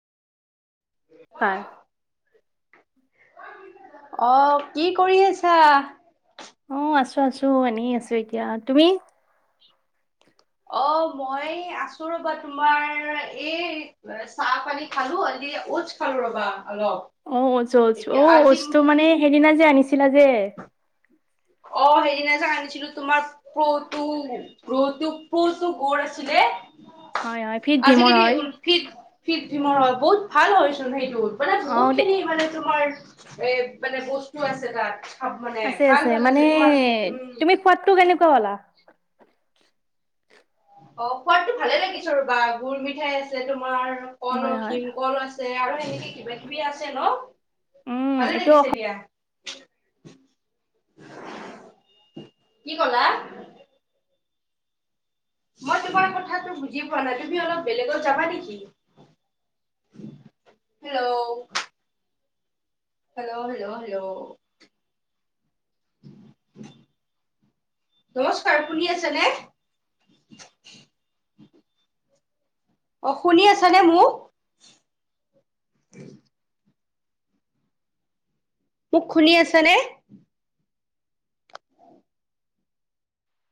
কাৰ? অ কি কৰি আছা? অ আছো আছো এনেই আছো এতিয়া। তুমি? অ মই আছো ৰ'বা, তোমাৰ এই চাহ পানী খালো। এতিয়া ওটচ খালো ৰবা। অলপ অ ওটচ, অ এতিয়া আজি ওচটো মানে সেইদিনা যে আনিছিলা যে। অ সেইদিনা যে আনিছিলো, তোমাৰ [unintelligible] হয় হয় ফিট আজি ভীমৰ [unintelligible] হয় [unintelligible] বহুত ভাল হয়চোন সেইটো, মানে অ বহুত দে খিনি মানে তোমাৰ এ মানে বস্তু আছে তাত মানে আছে ভাল আছে ভাল মানে আছে তোমাৰ উম তুমি সোৱাদটো কেনেকুৱা পালা? অ সোৱাদটো ভালে লাগিছে ৰবা। গুৰ মিঠাই আছে তোমাৰ কল, হয় হয় ভীমকল আছে আৰু সেনেকে কিবা কিবি আছে ন! উম ভালে এইটো লাগিছে দিয়া। কি কলা? মই তোমাৰ কথাাতটো বুজি পোৱা নাই, তুমি অলপ বেলেগত যাবা নেকি? হেল্ল'! Hello hello hello. [inaudible] নমস্কাৰ শুনি আছে নে? অ শুনি আছানে মোক? [inaudible] মোক শুনি আছ নে?